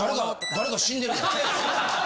誰か死んでるで。